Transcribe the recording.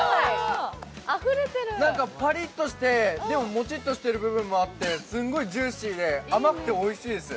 パリッとしてもちっとしてる部分もあってすんごいジューシーで、甘くておいしいです。